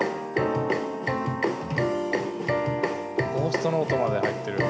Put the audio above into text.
ゴーストノートまで入ってる。